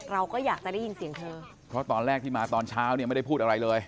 เราก็อยากจะได้ยินเสียงเธอเพราะตอนแรกที่มาตอนเช้าเนี่ยไม่ได้พูดอะไรเลย